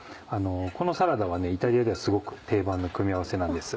このサラダはイタリアではすごく定番の組み合わせなんです。